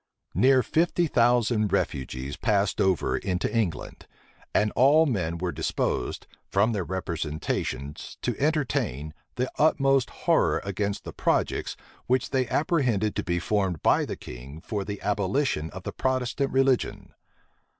Near fifty thousand refugees passed over into England; and all men were disposed, from their representations, to entertain, the utmost horror against the projects which they apprehended to be formed by the king for the abolition of the Protestant religion.